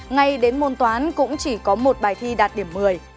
ngay đến môn toán cũng chỉ có một bài thi đạt điểm một mươi